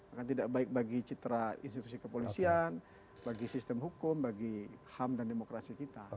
akan tidak baik bagi citra institusi kepolisian bagi sistem hukum bagi ham dan demokrasi kita